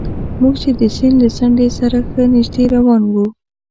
موږ چې د سیند له څنډې سره ښه نژدې روان وو.